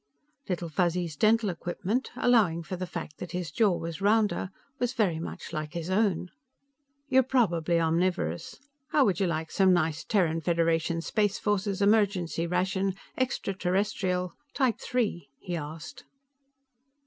Little Fuzzy's dental equipment, allowing for the fact that his jaw was rounder, was very much like his own. "You're probably omnivorous. How would you like some nice Terran Federation Space Forces Emergency Ration, Extraterrestrial, Type Three?" he asked.